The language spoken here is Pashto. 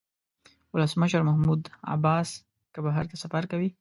ولسمشر محمود عباس که بهر ته سفر کوي.